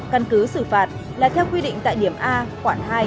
căn cứ xử phạt là theo quy định tại điểm a khoản hai